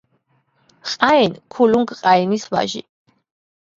ყაენ ქულუგ-ყაენის ვაჟი.